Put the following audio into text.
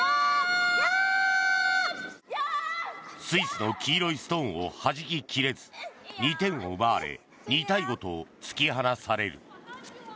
スイスの黄色いストーンをはじき切れず２点を奪われ２対５と突き放される。